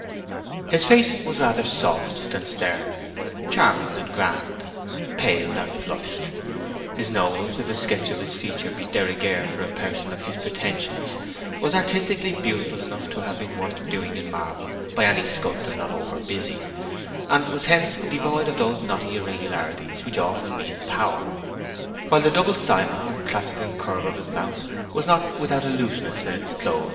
His face was rather soft than stern, charming than grand, pale than flushed; his nose—if a sketch of his features be de rigueur for a person of his pretensions—was artistically beautiful enough to have been worth doing in marble by any sculptor not over busy, and was hence devoid of those knotty irregularities which often mean power; while the double cyma or classical curve of his mouth was not without a looseness in its close.